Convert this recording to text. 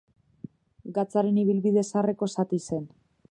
Gatzaren ibilbide zaharreko zati zen.